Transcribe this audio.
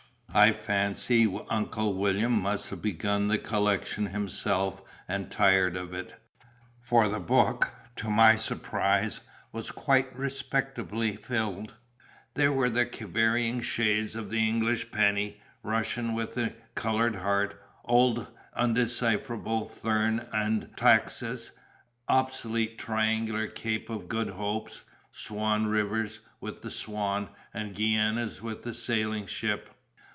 I fancy Uncle William must have begun the collection himself and tired of it, for the book (to my surprise) was quite respectably filled. There were the varying shades of the English penny, Russians with the coloured heart, old undecipherable Thurn und Taxis, obsolete triangular Cape of Good Hopes, Swan Rivers with the Swan, and Guianas with the sailing ship.